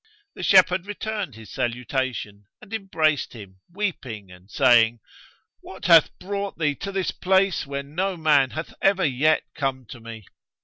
The shepherd returned his salutation and embraced him, weeping and saying, "What hath brought thee to this place where no man hath ever yet come to me."